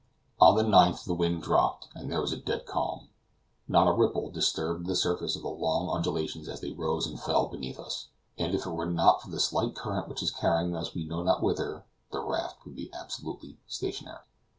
On the 9th the wind dropped, and there was a dead calm; not a ripple disturbed the surface of the long undulations as they rose and fell beneath us; and if it were not for the slight current which is carrying us we know not whither, the raft would be absolutely stationary.